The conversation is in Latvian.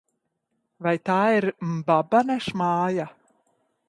Vai tā ir Mbabanes māja?